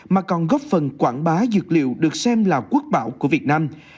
mà còn góp phần quảng bá dược liệu được xem là quốc bảo của việt nam